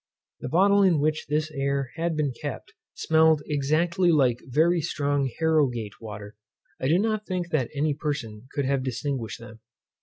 The bottle in which this air had been kept, smelled exactly like very strong Harrogate water. I do not think that any person could have distinguished them.